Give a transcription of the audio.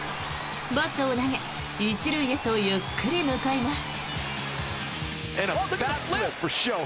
バットを投げ１塁へとゆっくり向かいます。